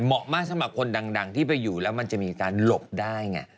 เหมาะมากสำหรับคนดังที่ไปอยู่แล้วมันจะมีการหลบได้ไง